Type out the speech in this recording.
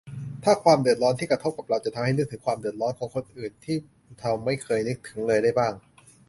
ถ้า 'ความเดือดร้อน' ที่กระทบกับเรา จะทำให้นึกถึงความเดือดร้อนของคนอื่นที่เราไม่เคยนึกถึงเลยได้บ้าง